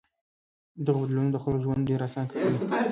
دغو بدلونونو د خلکو ژوند ډېر آسان کړی دی.